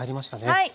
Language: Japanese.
はい。